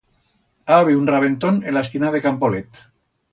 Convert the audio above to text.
Ha habiu un rabentón en la esquina de Campolet.